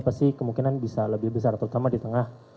pasti kemungkinan bisa lebih besar terutama di tengah